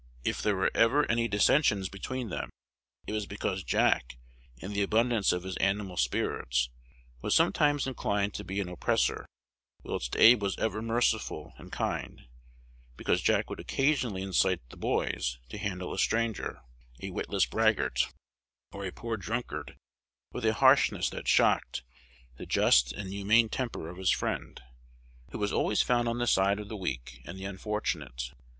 If there were ever any dissensions between them, it was because Jack, in the abundance of his animal spirits, was sometimes inclined to be an oppressor, whilst Abe was ever merciful and kind; because Jack would occasionally incite the "boys" to handle a stranger, a witless braggart, or a poor drunkard with a harshness that shocked the just and humane temper of his friend, who was always found on the side of the weak and the unfortunate.